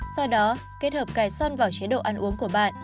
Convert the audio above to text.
do đó kết hợp cải xoăn vào chế độ ăn uống của bạn